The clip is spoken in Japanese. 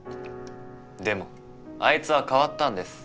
でもあいつは変わったんです。